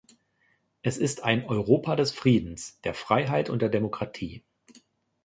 Es ist ein Europa des Friedens, der Freiheit und der Demokratie.